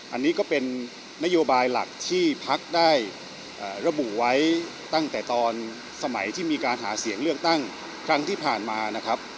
อันนี้ก็เป็นนโยบายหลักที่พักได้ระบุไว้ตั้งแต่ตอนสมัยที่มีการหาเสียงเลือกตั้งครั้งที่ผ่านมานะครับ